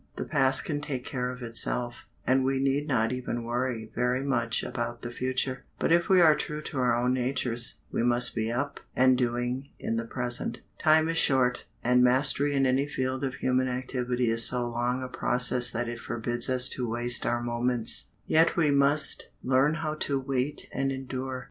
The past can take care of itself, and we need not even worry very much about the future; but if we are true to our own natures, we must be up and doing in the present. Time is short, and mastery in any field of human activity is so long a process that it forbids us to waste our moments. Yet we must learn also how to wait and endure.